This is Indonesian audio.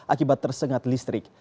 akibat tersengat listrik